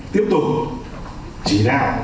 tiếp tục chỉ đạo